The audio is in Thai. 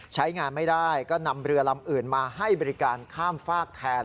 ใช้งานไม่ได้ก็นำเรือลำอื่นมาให้บริการข้ามฝากแทน